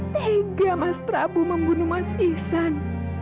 tiga mas prabu membunuh mas ihsan